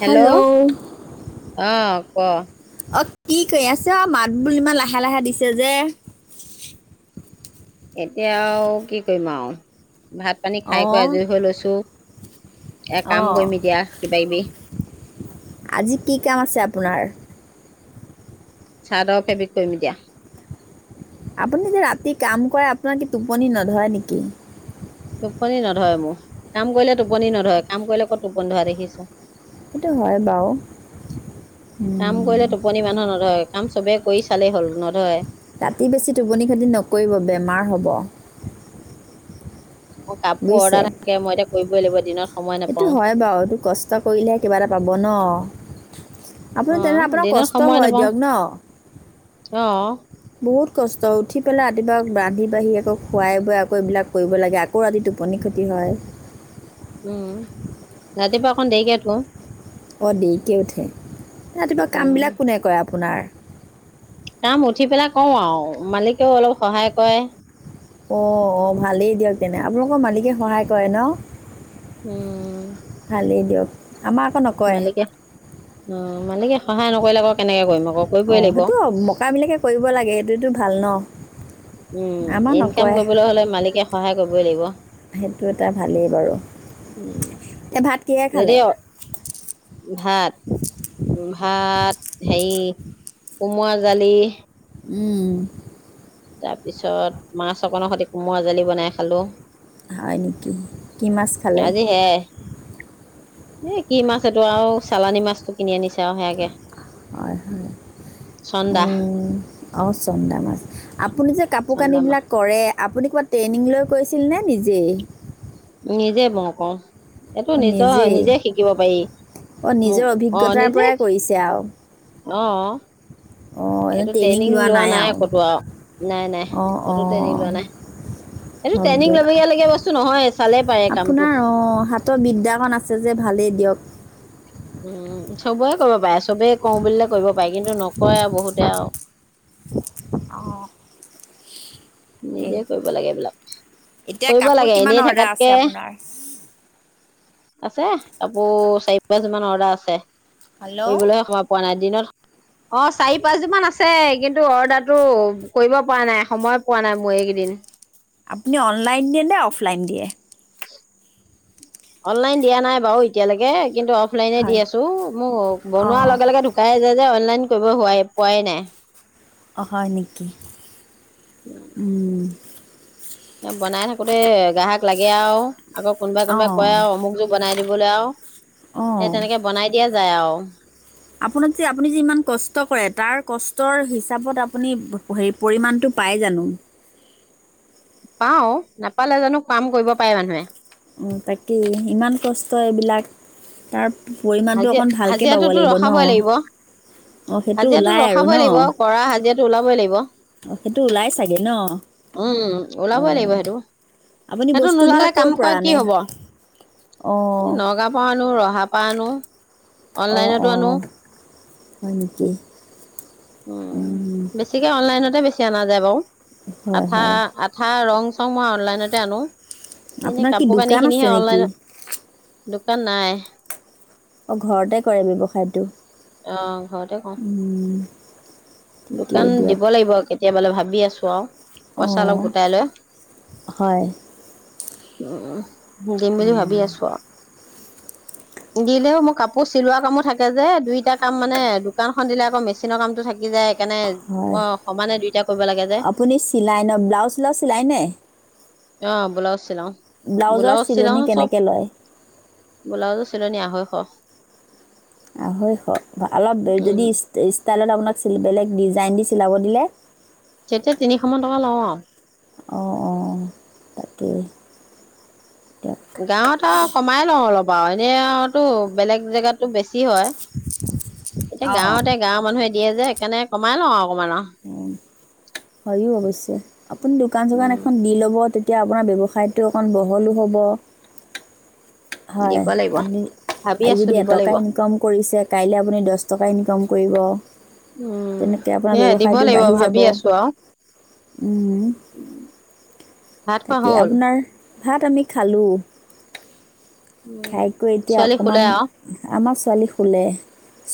Hello, আঁহ ক? অ কি কৰি আছ? অঁ মাত বোল ইমান লাহে লাহে দিছে যে? এতিয়া আৰু কি কৰিম আৰু। ভাত পানী খাই কৈ অঁ আজৰি হৈ লৈছো, এ কাম অঁ কৰিম এতিয়া কিবা কিবি? আজি কি কাম আছে আপোনাৰ চাদৰ ফেব্ৰিক কৰিম এতিয়া। আপুনি যে ৰাতি কাম কৰে, আপোনাৰ কি টোপনি নধৰে নেকি? টোপনি নধৰে মোৰ, কাম কৰিলে টোপনি নধৰে কাম কৰিলে ক'ত টোপনি ধৰা দেখিছ? সেইটো হয় বাৰু। কাম কৰিলে টোপনি মানুহ নধৰে কাম চবে কৰি চালেই হ'ল নধৰে। ৰাতি বেছি টোপনি খতি নকৰিব বেমাৰ হ'ব। মোৰ কাপোৰ বুজিছে, অৰ্ডাৰ থাকে মই এতিয়া কৰিবই লাগিব দিনত সময় এইটো নাপাও হয় বাৰু এই এইটো কষ্ট কৰিলেহে কিবা এটা পাব ন। আপুনি অ তেনেহলে, আপোনাৰ দিনত কষ্ট সময় হয় নাপাও দিয়ক ন। অ বহুত কষ্ট, উঠি পেলাই ৰাতিপুৱাই ৰান্ধি বাঢ়ি আকৌ খুৱাই বুৱাই আকৌ এইবিলাক কৰিব লাগে আকৌ ৰাতি টোপনি ক্ষতি হয়। উম, ৰাতিপুৱা অকণ দেৰিকৈ উঠো। অঁ দেৰিকৈ উঠে, ৰাতিপুৱা উম কামবিলাক কোনে কৰে আপোনাৰ? কাম উঠি পেলাই কৰো আৰু মালিকেও অলপ সহায় কৰে। অঁ অঁ ভালেই দিয়ক তেনে আপোনালোকৰ মালিকে সহায় কৰে ন। উম ভালেই দিয়ক। আমাৰ আকৌ নকৰে মালিকে, অঁ মালিকে সহায় নক নকৰিলে কেনেকৈ কৰিম আকৌ। কৰিবই অঁ লাগিব সেইটো মকাবিলাকে কৰিব লাগে সেইটোৱেই তো ভাল ন। উম, আমাৰ ইনকাম নকৰে কৰিবলৈ হলে মালিকে সহায় কৰিবই লাগিব। সেইটো এটা ভালেই বাৰু উম এতিয়া ভাত কিহে খালে যদি ভাত ভাত হেৰি, কোমৰা জালি উম। তাৰ পিছত, মাছ অকনৰ সৈতে কোমোৰা জালি বনাই খালো। হয় নেকি। কি মাছ খালে? আজি সেয়াই এ কি মাছ এইটো আৰু চালানী মাছটো কিনি আনিছো হয় হয়, চন্দা অঁ চন্দা মাছ, আপুনি যে কাপোৰ চন্দা মাছ কানিবিলাক কৰে আপুনি ক'ৰবাত ট্ৰেইনিং লৈ কৈছিলনে নিজেই নিজেই কৰো এইটো অঁ নিজৰ নিজেই নিজে শিকিব পাৰি অঁ নিজৰ অহ অভিজ্ঞতাৰ নিজে পৰাই কৰিছে আৰু অঁ এইটো ট্ৰেইনিং লোৱা নাই ক'তো আও‌ ঈনাই নাই অঁ কতো ট্ৰেইনিং অঁ লোৱা নাই এইটো হওক ট্ৰেইনিং দিয়ক লবগীয়া লগীয়া বস্তু নহয় চালে পাৰে কামটো আপোনাৰ অঁ হাতৰ বিদ্যাখন আছে যে ভালেই দিয়ক উম চবৰে কৰিব পাৰেছো চবেই কওঁ বুলিলে কৰিব পাৰি কিন্তু নকৰে বহুতে আও অহ নিজে কৰিব লাগে এইবিলাক এতিয়া কৰিব কাপোৰ লাগে কিমান এনেই অৰ্ডাৰ আছে থকাতকে। আপোনাৰ আছে কাপোৰ চাৰি পাঁচ মান অৰ্ডাৰ আছে। হেল্ল' কৰিবলৈ সময় পোৱা নাই দিনত। অ চাৰি পাঁচযো মান আছে কিন্তু অৰ্ডাৰটো কৰিব পৰা নাই সময়। কোৱা নাই মই এইকেইদিন। আপুনি অনলাইন দিয়ে নে অফলাইন দিয়ে। ওচ অনলাইন দিয়া নাই বাৰু এতিয়ালৈকে কিন্তু অফলাইনে হয় দি আছো মোক বনোৱাৰ অঁ লগে লগে ঢুকাই যায় যে অনলাইন কৰিব হোৱা পোৱাই নাই অ হয় নেকি? এ বনাই থাকোতে গাহক লাগে আও আক কোনোবাই কোনোবাই অঁ কয় আওঅমুক যোৰ বনাই। দিবলৈ আও এ তেনেকে বনাই দিয়া যায় অউ আপোনাৰ যে আপুনি যে ইমান কষ্ট কৰে তাৰ কষ্টৰ হিচাপত আপুনি হে পৰিমাণটো পায় জানো। পাও নাপালে জানো কাম কৰিব পাৰে মানুহে তাকেই ইমান কষ্ট এইবিলাক তাৰ পৰিমাণটো হাজিৰা অকণ ভালকৈ পাব হাজিৰাটোতো লাগিব ন ৰখাবই লাগিব অঁ সেইটো হাজিৰাটোতো ওলাই আৰু ৰখাবই লাগিব ন কৰা হাজিৰাটো ওলাবই লাগিব অ সেইটো ওলাই চাগে ন উম অ ওলাবই লাগিব সেইটো আপুনি সেইটো নোলালে বস্তুবিলাক ক'ৰ কাম। কোৱা পৰা কি আনে হব অ এ নগা পনো ৰহা। পানো অ অনলাইনতো অ আনো। হয় নেকি? উম বেছিকে অনলাইনতে বেছি এতিয়া নাযায় বাৰু হয় আঠা হয় আঠা ৰং চব মই অনলাইনতে আনো। এনে আপোনাৰ কি কাপোৰ কানি দোকান খিনিহে আছে অনলাইন নেকি? দোকান নাই। অ ঘৰতে কৰে ব্যৱসায়টো অ ঘৰতে কওঁ উম। দোকান ঠিকেই দিয়ক দিব লাগিব কেতিয়া তেতিয়া বোলে ভাবি আছোঁ আৰু অ পইচা অলপ গোটাই লৈ হয় অ দিম বুলি ভাবি আছো আৰু দিলেও মোৰ কাপোৰ চিলোৱা কামো থাকে যে দুইটা কাম মানে দোকানখন দিলে আকৌ মেচিনৰ কামতটো থাকি যায় সেইকাৰণে হয় অ সমানে দুইটা কৰিব লাগে যে আপুনি চিলাই ন ব্লাউজ চালাউজ চিলায় নে? অ বলাউছ চিলাও ব্লাউজ চিলাও চিলনি চব কেনেকৈ লয় ব্লাউজো চিলনি আঢ়ৈশ আঢ়ৈশ অলপ উম যদি ষ্টাইলত আপোনাক বেলেগ ডিজাইন দি চিলাব দিলে তেতিয়া তিনিশ মান টকা লওঁ অ অ তাকে গাঁৱত আৰু কমাই লওঁ অলপ ব এনে আৰুতো বেলেগ জেগাতো বেছি কি হয় এতিয়া অঁ গাঁৱতে গাঁৱৰ মানুহে দিয়ে যে সেইকাৰণে কমাই ল আৰু অকমান আৰু উম হয় অৱশ্যে আপুনি দোকান চোকান উম এখন দি ল'ব তে তেতিয়া আপোনাৰ ব্যৱসায়টো অকণ বহলো হ'ব হয় দিব লাগিব আপুনি ভাবি আজি আছো যদি দিব এটকা লাগিব ইনকম কৰিছে কাইলৈ আপুনি দহ টকা ইনকম কৰিব উম তেনেকৈ আপোনাৰ সেয়া দিব ব্যৱসায়টো লাগিব বাঢ়ি যাব ভাবি আছো আৰু উ তাকে আপোনাৰ ভাত আমি খালোঁ খাইকৈ এতিয়া ছোৱালী শুলে আৰু অকণমান ছোৱালী শুলে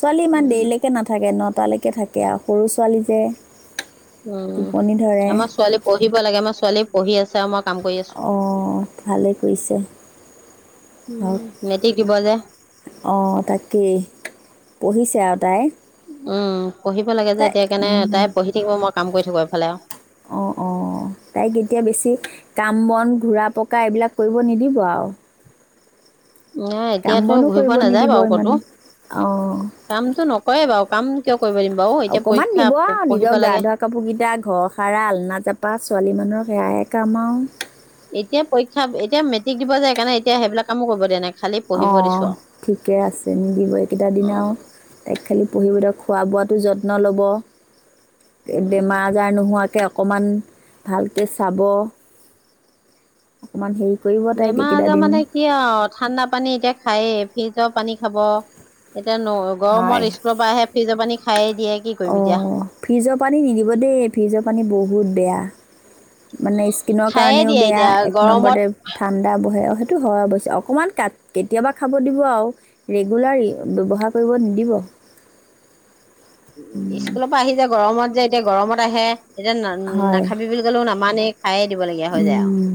ছোৱালী ইমান দেৰিলৈকে নাথাকে নত তালৈকে থাকে আৰু সৰু ছোৱালী যে টোপনি ধৰে উম আমাৰ ছোৱালী পঢ়িব লাগে আমাৰ ছোৱালী পঢ়ি আছে আমাক অ ভালেই কৰিছে মেট্ৰিক দিব যে হক অ তাকেই পঢ়িছে আৰু তাই উম পঢ়িব লাগে যে তাই এতিয়া সেইকানে উম, তাই পঢ়ি থাকিব মই কাম কৰি থোকো এইফালে অঁ অঁ তাইক এতিয়া বেছি কাম বন ঘূৰা পকা এইবিলাক কৰিব নিদিব আও এ এতিয়াতো ঘূৰি পোৱা কৰিব নাযায় নিদিব বাৰু ইমান ক'তো অঁ কামটো নকৰে বাৰু কাম কিয় কৰিব দিম বাৰু এতিয়া অকণমান পৰীক্ষা দিব আৰু পঢ়িব নিজৰ গা লাগে ধোৱা কাপোৰকেইটা ঘৰ সাৰা আলনা জাপা ছোৱালী মানুহৰ সেয়াই কাম আও এতিয়া পৰীক্ষা এতিয়া মেট্ৰিক দিব যায় কাৰণে এতিয়া সেইবিলাক কামো কৰিব দিয়া নাই খালি পঢ়িব অঁ দিছো ঠিকে আছে নিদিব এইকেইটা দিন আৰু তাইক খালি পঢ়িবদিয়ক খোৱা বোৱাতো যত্ন ল'ব উম বেমাৰ আজাৰ নোহোৱাকে অকণমান ভালকৈ চাব অকণমান হেৰি কৰিব তাইক বেমাৰ এইকেইটা আজাৰ দিন মানে কি আৰু ঠাণ্ডা পানী এতিয়া খায়ে ফ্ৰিজৰ পানী খাব এতিয়া গৰমত স্কুলৰ পৰা আহে ফ্ৰিজৰ পানী খায়ে দিয়ে কি অ কৰিম এতিয়া ফ্ৰিজৰ পানী নিদিব দেই ফ্ৰিজৰ পানী বহুত বেয়া মানে স্কিনৰ খায়ে কাৰণেও দিয়ে বেয়া এতিয়া এক গৰমত নম্বৰতে ঠাণ্ডা বহে সটো হয় অৱশ্যে অকণমান ক কেতিয়াবা খাব দিব আৰু ৰেগুলাৰ ব্যৱহাৰ কৰিব নিদিব উ স্কুলৰ পৰা আহি যায় গৰমত যে এতিয়া গৰমত আহে এতিয়া না হয় নাখাবি বুলি কলেও নামানেই খায়ে দিবলগীয়া হৈ যায় উম,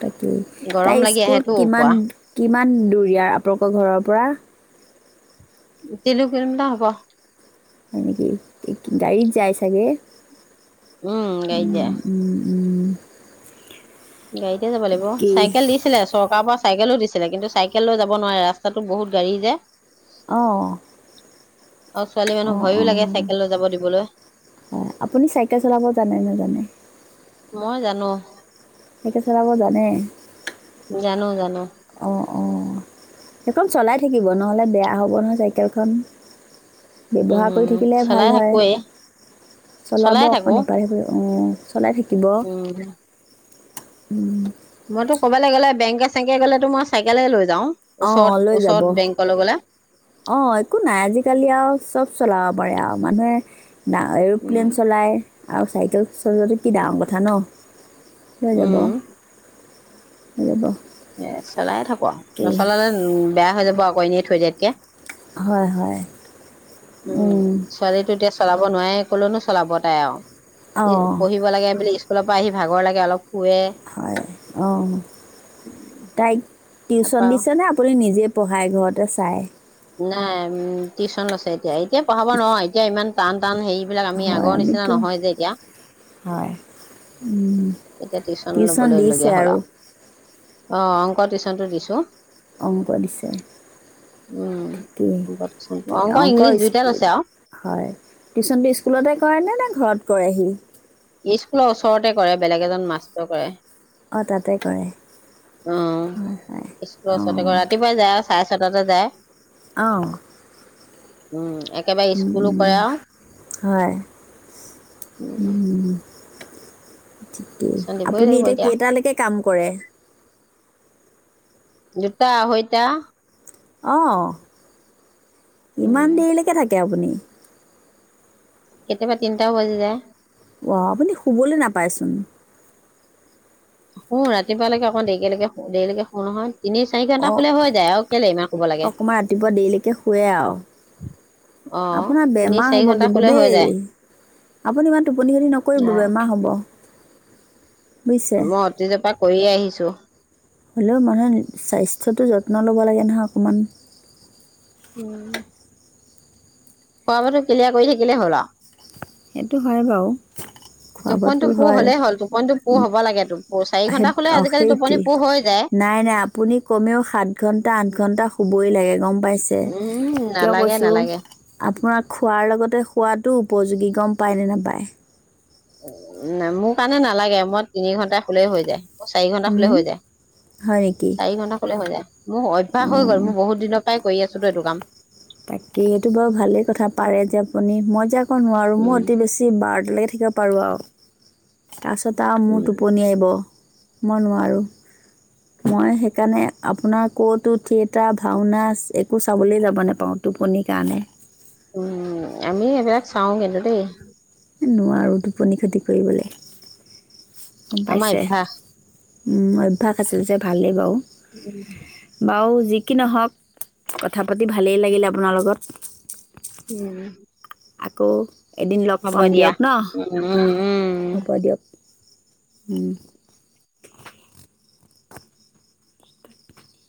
তাকেই গৰম তাইৰ লাগি স্কুল আহেটো কিমান পোৱা কিমান দূৰ ইয়াৰ আপোনালোকৰ ঘৰৰ পৰা তিলু কিলোমিটাৰ হ'ব হয় নেকি গাড়ীত যায় চাগে উম গাড়ীত যাই উম, উম, উম গাড়ীতে যাব লাগিব কি চাইকেল দিছিলে চৰকাৰৰ পৰা চাইকেলো দিছিলে কিন্তু চাইকেল লৈ যাব নোৱাৰে ৰাস্তাতো বহুত গাড়ী যে অঁ আৰু ছোৱালী মানুহ অঁ ভয়ো অঁ লাগে চাইকেল লৈ যাব দিবলৈ অ আপুনি চাইকেল চলাব জানে নেজানে মই জানো চাইকেল চলাব জানে? জানোঁ, জানোঁ। অ'! অ'! সেইখন চলাই থাকিব। নহ'লে বেয়া হ'ব নহয় চাইকেলখন! ব্যৱহাৰ কৰি উম থাকিলে ভাল চলাই হয়। থাকোৱেই চলাব চলাই অকন থাকো ইফালে সিফাল। অ'! চলাই থাকিব? উম উম! কৰবালে গ'লে বেংকে চেংকে গ'লে ত' মই চাইকেল লৈ যাওঁ ওচৰত অ'! লৈ যাব। ওচৰত বেংকলৈ গ'লে অ'! একো নাই। আজিকালি আৰু চব চলাব পাৰে আৰু। মানুহে উম এৰো'প্লেন চলায় আৰু চাইকেল চলোৱাটো কি ডাঙৰ কথা ন'। লৈ যাব। উম সেইটোৱ ত'। এই, চলাই থাকোঁ। [unintelligible] নচলালে বেয়া হৈ যাব। [unintelligible] কৈ এনেই থৈ দিয়া এতিয়া। হয়, হয়। উম, ছোৱালীটো এতিয়া চলাব নোৱাৰে। কলৈনো চলাব তাই অঁ আৰু। পঢ়িব লাগে বুলি স্কুলৰ পৰা ভাগৰ লাগে অলপ শুৱে হয়। অ'! তাই টিউচন তাৰপা দিছে নে? আপুনি নিজে পঢ়াই ঘৰতে চায়। নাই উম টিউচন লৈছে এতিয়া এতিয়া পঢ়াব নোৱাৰো এতিয়া ইমান টান, টান সেই হয়! আমিতো হয়। এতিয়া টিউচন ল'বলৈ লগীয়া হ'ল আৰু। অ'! অংক টিচনটো দিছোঁ। অংক দিছে। উম। ঠিকেই অংক টিউচন কি অংক ইংলিছ দুইটা লৈছে আৰু হয়। টিউচনটো স্কুলতে কৰেনে নে ঘৰত কৰেহি? স্কুলৰ ওচৰতে কৰে। বেলেগ এজন মাষ্টৰ কৰে। অ'! তাতে কৰে। অ' হয়, হয়। স্কুলৰ ওচৰতে কৰে অ'! ৰাতিপুৱাই যায় আৰু চাৰে ছয়টাতে যায়। অ'! উম! একেবাৰে স্কুলো কৰে আৰু হয়। উম ঠিকেই, টিউচন দিবই আপুনি লাগিব এতিয়া কেইটালৈকে কাম কৰে? দুটা আঢ়ৈটা। অঁ। উম ইমান দেৰিলৈকে থাকে আপুনি। কেতিয়াবা তিনটাও বাজি যায়। অ ', আপুনি শুবলৈ নাপায়চোন। অহ ', ৰাতিপুৱালৈকে আকৌ দেৰিকেলেকে দেৰিলৈকে শুওঁ নহয়। তিনি চাৰি ঘন্টা অ', শুলে হৈ যায় আৰু কেলে ইমান শুব লাগে অকণমান ৰাতিপুৱা দেৰিলৈকে শুৱে আৰু, অ' আপোনাৰ তিনি বেমাৰ চাৰি হ'ব ঘন্টা কিন্তু শুলে হৈ দেই যায়। আপুনি ইমান টোপনি খতি নকৰিব বেমাৰ হ'ব। বুজিছে [unintelligible] কৰি আহিছো। হলেও মানুহে স্বাস্থ্যটো যত্ন ল'ব লাগে নহয় অকণমান। উম। খোৱা- বোৱাটো ক্লিয়াৰ কৰি থাকিলে হ'ল আৰু। সেইটো হয় বাৰু, আৰু খোৱা - টোপনিটো বোৱাটো পুৰ হয়। হলেই হ'ল টোপনিটো পুৰ হ'ব লাগে টোপ- চাৰি ঘন্টা শুলে আজিকালি সেইটোৱে টোপনি পুৰ হৈ যায় নাই - নাই আপোনি কমেও সাতঘন্টা- আঠঘন্টা শুব বই লাগে গম পাইছে, উম কিয় নালাগে কৈছোঁ নালাগে আপোনাৰ খোৱাৰ লগতে শুৱা টো উপযোগী। গম পায়নে নাপায়? মোৰ কাৰণে নালাগে, মই তিনি ঘন্টা শুলেই হৈ যায়। অ', চাৰি -ঘন্টা শুলে হৈ যায়, হয় নেকি চাৰি ঘন্টা শুলে হৈ যায়। মোৰ অভ্যাস হৈ গ'ল, অঁ মোৰ বহুত দিনৰ - পৰাই কৰি আছেতো এইটো কাম। বাকী সেইটো বাৰু ভালেই কথা পাৰে যে আপুনি মই যে আকৌ নোৱাৰোঁ মোৰ উম অতি বেছি বাৰ এনেকে থাকিব পাৰোঁ আৰু। তাৰ পিছত আৰু মোৰ উম টোপনি আহিব। মই নোৱাৰোঁ, মই সেইকাৰণে আপোনাৰ ক'তো থিয়েটাৰ- ভাওনা একো চাবলৈ যাব নাপাওঁ টোপনিৰ কাৰণে। উম', আমি এইবিলাক চাওঁ কিন্তু দেই। নোৱাৰোঁ টোপনি ক্ষতি কৰিবলৈ। গম আমাৰ পাইছে অভ্যাস। অভ্যাস আছিল যে ভালেই বাৰু। উম। বাৰু যি কি নহওক, কথা পাতি ভালেই লাগিল আপোনাৰ লগত। উম, আকৌ এদিন লগ হ'ব পাম দিয়া দিয়ক ন? উম উম উম হ'ব দিয়ক। উম।